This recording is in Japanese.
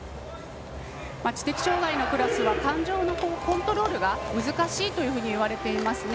知的障がいのクラスは感情のコントロールが難しいといわれていますね。